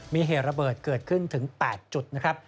มีเหตุระเบิดเกิดขึ้นถึง๘จุดนะครับ